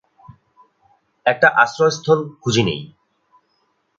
একটা আশ্রয়স্থল খুঁজে নিই।